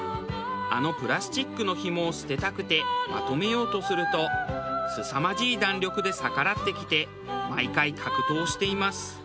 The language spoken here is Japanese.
あのプラスチックのヒモを捨てたくてまとめようとするとすさまじい弾力で逆らってきて毎回格闘しています。